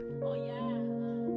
oh ya aku nontonan juga